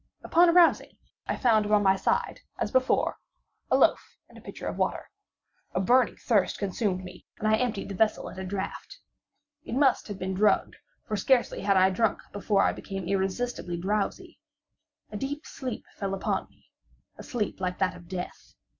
Upon arousing, I found by my side, as before, a loaf and a pitcher of water. A burning thirst consumed me, and I emptied the vessel at a draught. It must have been drugged—for scarcely had I drunk, before I became irresistibly drowsy. A deep sleep fell upon me—a sleep like that of death.